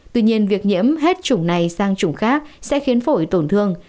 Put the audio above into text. tuy nhiên việc nhiễm hết chủng này sang chủng khác sẽ khiến phổi tổn thương